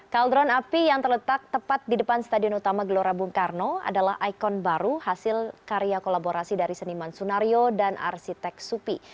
kaldron api yang terletak tepat di depan stadion utama gelora bung karno adalah ikon baru hasil karya kolaborasi dari seniman sunario dan arsitek supi